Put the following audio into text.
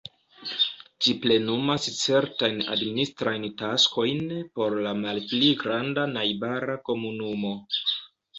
Ĝi plenumas certajn administrajn taskojn por la malpli granda najbara komunumo.